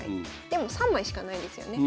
でも３枚しかないですよね。